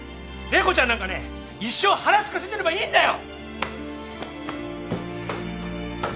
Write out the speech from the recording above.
麗子ちゃんなんかね一生腹すかせてればいいんだよ！